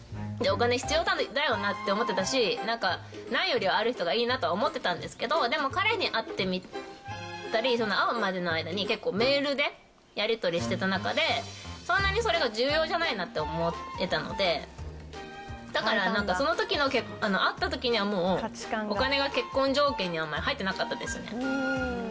お金、必要だよなって思ってたし、ないよりはある人がいいなと思ってたんですけど、でも彼に会ってみたり、会うまでの間に、結構、メールでやり取りしてた中で、そんなにそれが重要じゃないなって思えたので、だから、なんかそのときの、会ったときにはもう、お金が結婚条件にあんまり入ってなかったですね。